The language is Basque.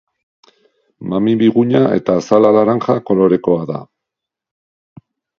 Mami biguna eta azala laranja kolorekoa da.